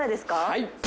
はい。